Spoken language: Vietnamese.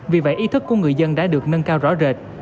vì vậy ý thức của người dân đã được nâng cao rõ rệt